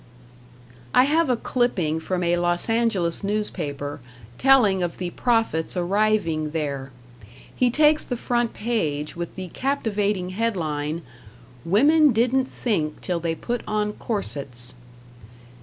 I have a clipping from a Los Angeles newspaper telling of the prophet's arriving there. He takes the front page with the captivating headline: "Women Didn't Think Till They Put On Corsets".